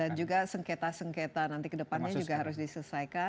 dan juga sengketa sengketa nanti ke depannya juga harus diselesaikan